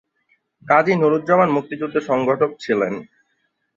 কাজী নুরুজ্জামান মুক্তিযুদ্ধের সংগঠক ছিলেন।